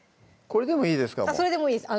それでもいいです